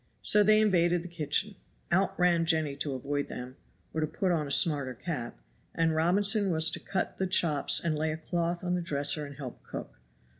So they invaded the kitchen. Out ran Jenny to avoid them or put on a smarter cap; and Robinson was to cut the chops and lay a cloth on the dresser and help cook.